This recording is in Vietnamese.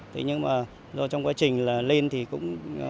thế nhưng mà do trong quá trình là lên